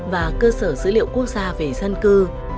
và cơ sở dữ liệu quốc gia về dân cư